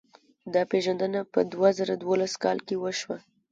دا پېژندنه په دوه زره دولسم کال کې وشوه.